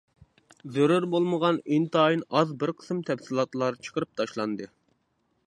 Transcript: زۆرۈر بولمىغان ئىنتايىن ئاز بىر قىسىم تەپسىلاتلار چىقىرىپ تاشلاندى.